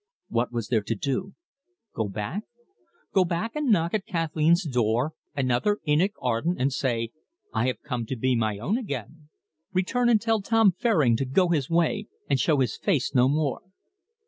What was there to do? Go back? Go back and knock at Kathleen's door, another Enoch Arden, and say: "I have come to my own again?" Return and tell Tom Fairing to go his way and show his face no more?